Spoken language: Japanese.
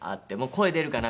声出るかな？